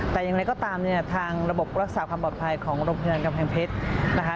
แต่อย่างไรก็ตามเนี่ยทางระบบรักษาความปลอดภัยของโรงพยาบาลกำแพงเพชรนะคะ